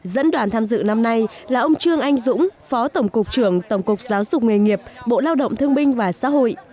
dẫn đoàn tham dự năm nay là ông trương anh dũng phó tổng cục trưởng tổng cục giáo dục nghề nghiệp bộ lao động thương binh và xã hội